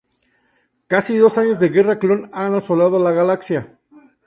Casi dos años de Guerras Clon han asolado la Galaxia.